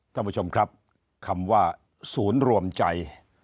ท่านผู้ชมครับคำว่าศูนย์รวมใจ